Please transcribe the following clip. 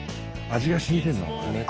味がしみてる？